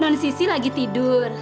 non sisi lagi tidur